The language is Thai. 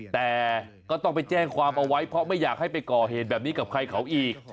แต่ก็ต้องไปแจ้งความเอาไว้เพราะไม่อยากให้ไปก่อเหตุแบบนี้กับใครเขาอีก